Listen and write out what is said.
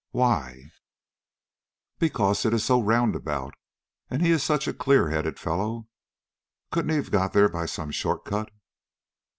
"Why?" "Because it is so roundabout, and he is such a clearheaded fellow. Couldn't he have got there by some shorter cut?"